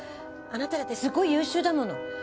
あなただってすごい優秀だもの。